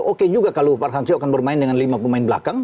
oke juga kalau pak hansio akan bermain dengan lima pemain belakang